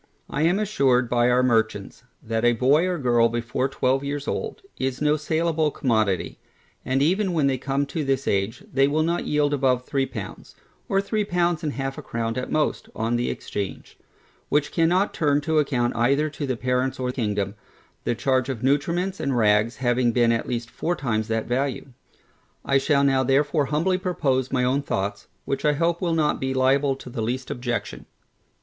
I am assured by our merchants, that a boy or a girl, before twelve years old, is no saleable commodity, and even when they come to this age, they will not yield above three pounds, or three pounds and half a crown at most, on the exchange; which cannot turn to account either to the parents or kingdom, the charge of nutriments and rags having been at least four times that value. I shall now therefore humbly propose my own thoughts, which I hope will not be liable to the least objection.